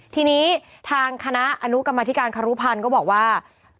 ทีนี้ทางคณะอนุกรรมธิการครุพันธ์ก็บอกว่า